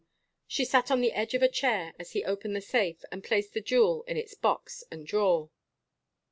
She sat on the edge of a chair as he opened the safe and placed the jewel in its box and drawer.